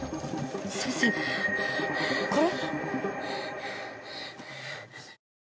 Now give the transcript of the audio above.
先生これ。